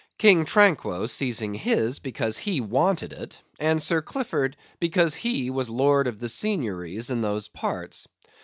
King Tranquo seizing his because he wanted it; and Sir Clifford, because he was lord of the seignories of those parts.